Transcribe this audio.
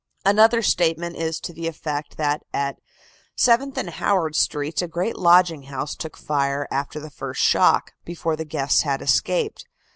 Another statement is to the effect that "at Seventh and Howard Streets a great lodging house took fire after the first shock, before the guests had escaped.